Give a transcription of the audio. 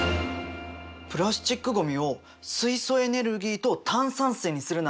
プラスチックごみを水素エネルギーと炭酸水にするなんて画期的だよね。